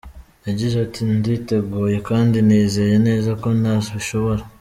yagize ati “Nditeguye kandi nizeye neza ko nabishobora.